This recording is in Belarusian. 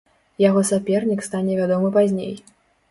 Яго сапернік стане вядомы пазней.